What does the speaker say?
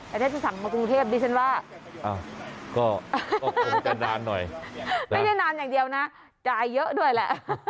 แต่ถ้าจะสั่งมากรุงเทพดิฉันว่าก็คงจะนานหน่อยไม่ได้นานอย่างเดียวนะจ่ายเยอะด้วยแหละ